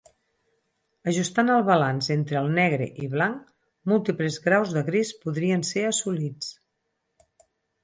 Ajustant el balanç entre el negre i blanc, múltiples graus de gris podien ser assolits.